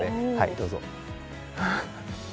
どうぞ。